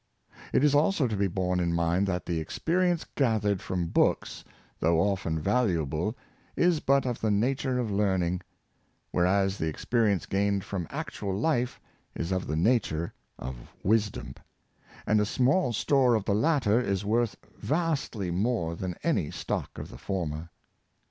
It is also to be borne in mind that the experience gathered from books, though often valuable, is but of the nature of learning; whereas the experience gained from actual life is of the nature of wisdom; and a small store of the latter is worth vastly more than any stock of the former.